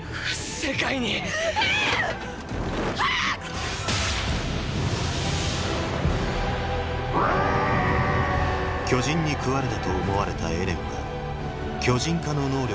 巨人に食われたと思われたエレンは巨人化の能力を持っていた。